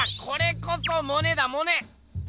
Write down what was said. これこそモネだモネ！